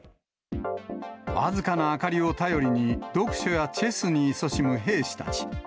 僅かな明かりを頼りに、読書やチェスにいそしむ兵士たち。